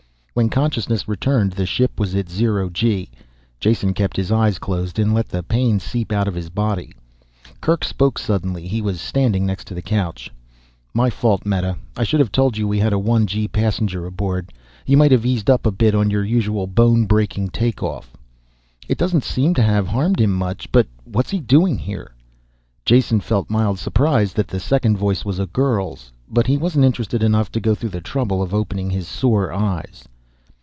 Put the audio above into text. When consciousness returned the ship was at zero G. Jason kept his eyes closed and let the pain seep out of his body. Kerk spoke suddenly, he was standing next to the couch. "My fault, Meta, I should have told you we had a 1 G passenger aboard. You might have eased up a bit on your usual bone breaking take off." "It doesn't seem to have harmed him much but what's he doing here?" Jason felt mild surprise that the second voice was a girl's. But he wasn't interested enough to go to the trouble of opening his sore eyes.